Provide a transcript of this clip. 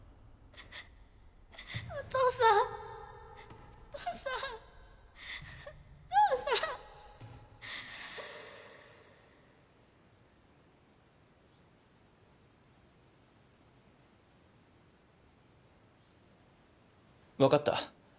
お父さんお父さんお父さん分かった。